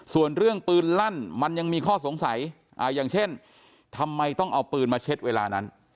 ส่วนเรื่องปืนลั่นมันยังมีข้อสงสัยอย่างเช่นทำไมต้องเอาปืนมาเช็ดเวลานั้น